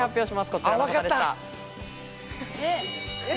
こちらの方でした。